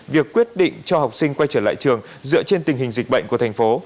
việc quyết định cho học sinh quay trở lại trường dựa trên tình hình dịch bệnh của thành phố